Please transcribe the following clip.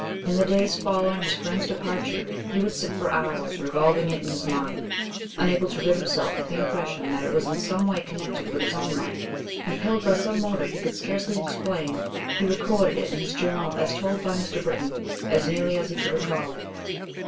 In the days following his friend's departure he would sit for hours revolving it in his mind, unable to rid himself of the impression that it was in some way connected with his own life. Impelled by some motive he could scarcely explain, he recorded it in his journal as told by Mr. Britton as nearly as he could recall it.